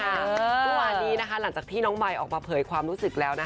หลัวนี้หลังจากที่น้องมัยออกมาเผยความรู้สึกแล้ว